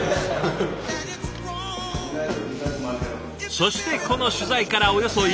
そしてこの取材からおよそ１か月後。